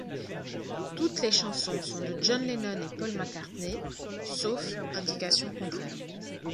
Toutes les chansons sont de John Lennon et Paul McCartney, sauf indication contraire.